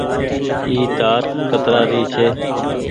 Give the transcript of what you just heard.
اي تآر ڪترآ ري ڇي۔